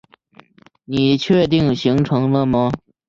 你确定行程了吗？